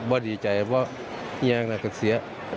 ไม่ดีใจก็เงียงล่ะแค่เสีย